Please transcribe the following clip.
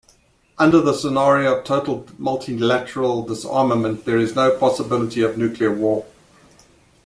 Under the scenario of total multilateral disarmament, there is no possibility of nuclear war.